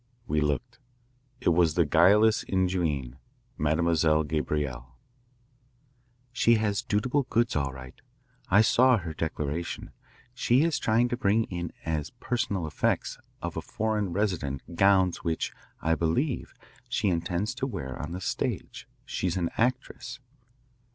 We looked. It was the guileless ingenue, Mademoiselle Gabrielle. "She has dutiable goods, all right. I saw her declaration. She is trying to bring in as personal effects of a foreign resident gowns which, I believe, she intends to wear on the stage. She's an actress."